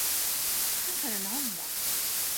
حسنًا عُمِلَ.